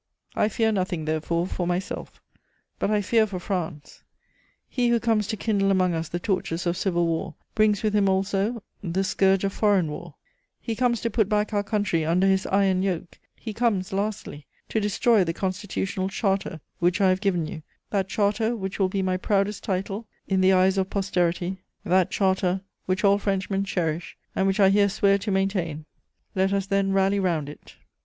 "I fear nothing, therefore, for myself; but I fear for France: he who comes to kindle among us the torches of civil war brings with him also the scourge of foreign war; he comes to put back our country under his iron yoke; he comes, lastly, to destroy the Constitutional Charter which I have given you, that Charter which will be my proudest title in the eyes of posterity, that Charter which all Frenchmen cherish and which I here swear to maintain: let us then rally round it."